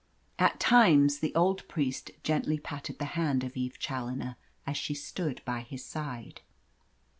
At times the old priest gently patted the hand of Eve Challoner as she stood by his side.